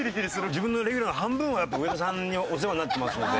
自分のレギュラーの半分はやっぱ上田さんにお世話になってますので。